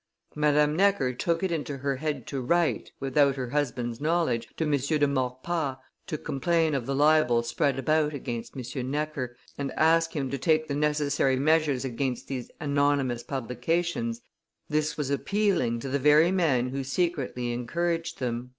Madame Necker took it into her head to write, without her husband's knowledge, to M. de Maurepas to complain of the libels spread about against M. Necker, and ask him to take the necessary measures against these anonymous publications this was appealing to the very man who secretly encouraged them..